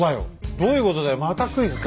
どういうことだよまたクイズか！